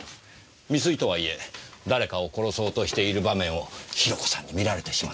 未遂とはいえ誰かを殺そうとしている場面をヒロコさんに見られてしまった。